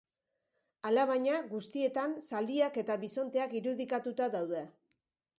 Alabaina, guztietan zaldiak eta bisonteak irudikatuta daude.